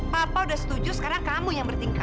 papa udah setuju sekarang kamu yang berhenti ya